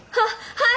はい！